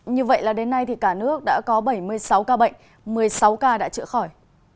như vậy là đến nay thì cả nước đã có bảy mươi sáu ca bệnh một mươi sáu ca đã chữa khỏi